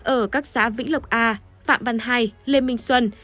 ở các xã vĩnh lộc a phạm văn hai lê minh xuân